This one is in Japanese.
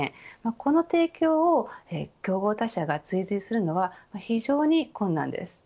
この提供を競合他社が追従するのは非常に困難です。